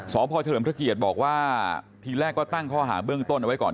สอบพ่อเฉลิมทะเกียจบอกว่าทีแรกก็ตั้งข้อหาเบื้องต้นไว้ก่อน